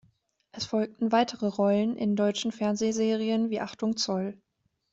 Es folgten weitere Rollen in deutschen Fernsehserien wie "Achtung Zoll!